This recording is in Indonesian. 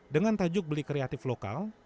dengan tajuk beli kreatif lokal